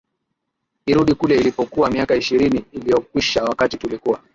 irudi kule ilipokuwa miaka ishirini iliokwisha wakati tulikuwa